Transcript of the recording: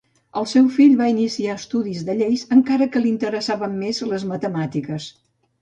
El seu fill va iniciar estudis de Lleis, encara que li interessaven més les matemàtiques.